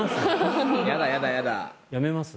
やだやだやだ。